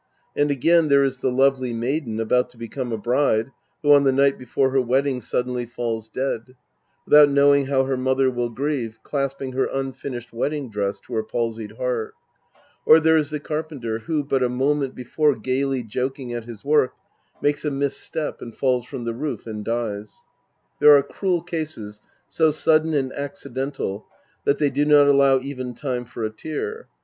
And again there is the lovely maiden about to become a bride who on the night before her wedding suddenly falls dead. Without knowing how her mother will grieve, clasping her unfinished wedding dress to her palsied heai t. Or there is the carpenter who, but a moment before gayly joking at his Vv^ork, makes a mis step and falls from the roof and dies. There are cruel cases so sudden and accidental that they do not allow even time for a tear.